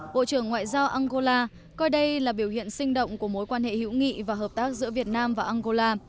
bộ trưởng ngoại giao angola coi đây là biểu hiện sinh động của mối quan hệ hữu nghị và hợp tác giữa việt nam và angola